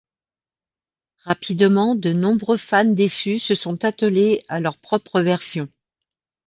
Rapidement, de nombreux fans déçus se sont attelés à leur propre version.